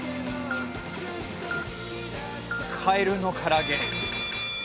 カエルのから揚げ。